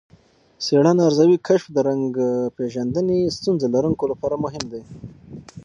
څېړنه ارزوي، کشف د رنګ پېژندنې ستونزه لرونکو لپاره مهم دی.